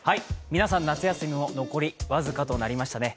皆さん、夏休みも残り僅かとなりましたね。